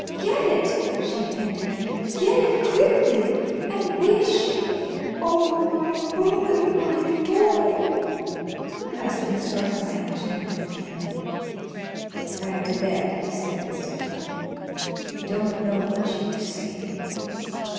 "Get it," she panted; "get it quickly, and wish Oh, my boy, my boy!" Her husband struck a match and lit the candle. "Get back to bed," he said, unsteadily. "You don't know what you are saying."